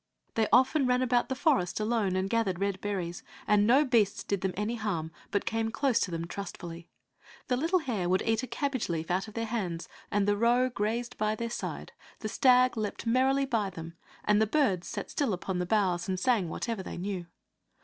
They often ran about the forest alone and gathered red berries, and no beasts did them any harm, but came close to them trustfully. The little hare would eat a cabbage leaf out of their hands, the roe grazed by their side, the stag leapt merrily by them, and the birds sat still upon the boughs, and sang whatever they knew.